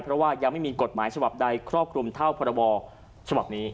เพราะว่ายังไม่มีกฎหมายฉบับใดครอบคลุมเท่าพรบฉบับนี้